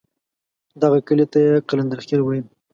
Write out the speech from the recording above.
دغه کلي ته یې قلندرخېل ویل.